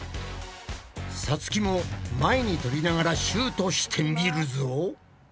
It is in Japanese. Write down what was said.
さつきも前にとびながらシュートしてみるぞ。